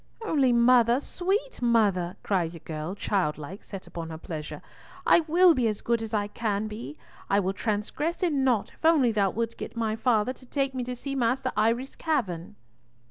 "Only, mother, sweet mother," cried the girl, childlike, set upon her pleasure, "I will be as good as can be. I will transgress in nought if only thou wilt get my father to take me to see Master Eyre's cavern."